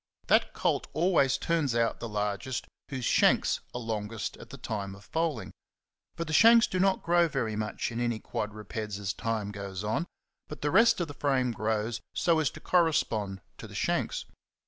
That colt always turns out the largest whose shanks are longest at the time of foaling. For the shanks do not grow '5 very much in any CHAPTER I. 19 quadrupeds as time goes on, but the rest of the frame grows so as to correspond to the shanks.